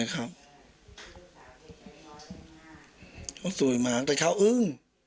เขาสวยมากแต่เขาอึ้ง